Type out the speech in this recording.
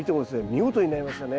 見事になりましたね。